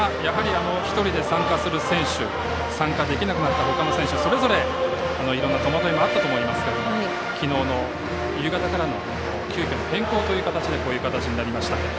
１人で参加する選手参加できなくなったほかの選手それぞれいろんな戸惑いもあったと思いますが昨日の夕方からの急きょの変更という形でこういう形になりました。